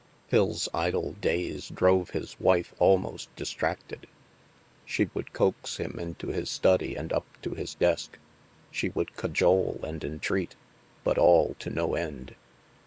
Phil's idle days drove his wife almost distracted. She would coax him into his study and up to his desk, she would cajole and entreat, but all to no end.